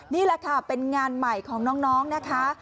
นี่แหละค่ะเป็นงานใหม่ของน้องนะคะ